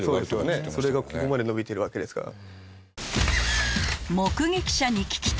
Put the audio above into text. それがここまで延びてるわけですから。